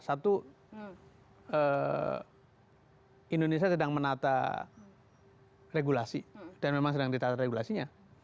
satu indonesia sedang menata regulasi dan memang sedang ditata regulasinya